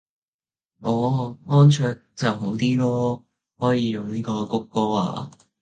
哦安卓就好啲囉，可以用呢個穀歌啊